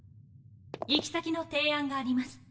行き先の提案があります。